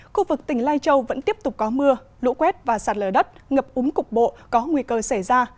khu vực tỉnh lai châu vẫn tiếp tục có mưa lũ quét và sạt lở đất ngập úng cục bộ có nguy cơ xảy ra